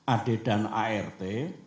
ad dan art